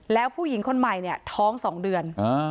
แล้วผู้หญิงคนใหม่เนี่ยท้อง๒เดือน